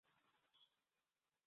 এমনকি তাকে পরিচয়পত্রও দেখিয়েছিলাম।